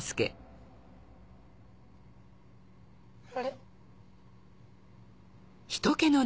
あれ。